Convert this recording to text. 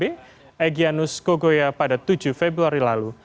egyanus kogoya pada tujuh februari lalu